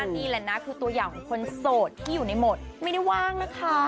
นี่แหละนะคือตัวอย่างของคนโสดที่อยู่ในโหมดไม่ได้ว่างนะคะ